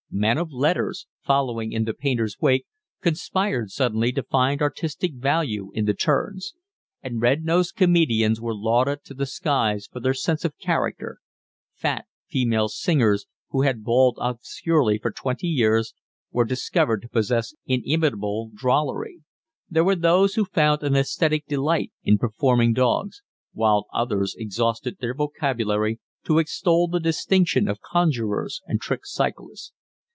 Men of letters, following in the painters' wake, conspired suddenly to find artistic value in the turns; and red nosed comedians were lauded to the skies for their sense of character; fat female singers, who had bawled obscurely for twenty years, were discovered to possess inimitable drollery; there were those who found an aesthetic delight in performing dogs; while others exhausted their vocabulary to extol the distinction of conjurers and trick cyclists.